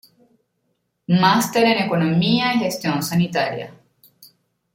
Máster en Economía y Gestión Sanitaria.